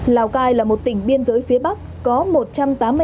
lào cai là một tỉnh biên giới phía bắc có một trăm tám mươi hai km đường biên giới